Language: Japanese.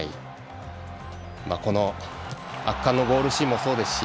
この圧巻のゴールシーンもそうですし